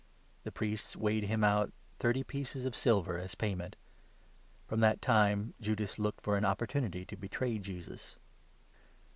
" The Priests ' weighed him out thirty pieces of silver ' as payment. So from that time Judas looked for an opportunity to betray Jesus.